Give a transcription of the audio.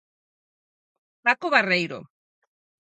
Paco Barreiro.